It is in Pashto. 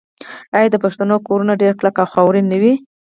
آیا د پښتنو کورونه ډیر کلک او خاورین نه وي؟